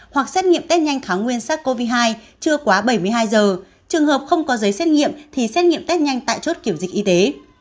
hoặc xét nghiệm test nhanh tháng nguyên sars cov hai chưa quá bảy mươi hai giờ trường hợp không có giấy xét nghiệm thì xét nghiệm test nhanh tại chốt kiểm dịch y tế